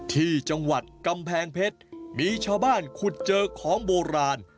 ที่จังหวัดกำแพงเพชรมีชาวบ้านขุดเจอของโบราณ